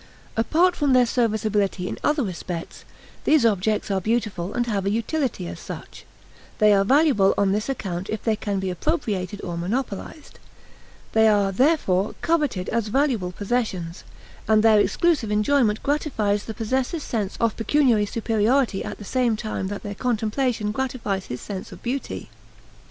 Apart from their serviceability in other respects, these objects are beautiful and have a utility as such; they are valuable on this account if they can be appropriated or monopolized; they are, therefore, coveted as valuable possessions, and their exclusive enjoyment gratifies the possessor's sense of pecuniary superiority at the same time that their contemplation gratifies his sense of beauty.